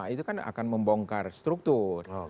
itu kan akan membongkar struktur